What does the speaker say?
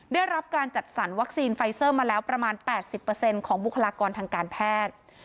ได้รับการจัดสรรวัคซีนไฟเซอร์มาแล้วประมาณ๘๐ของบุคลากรทางการแพทย์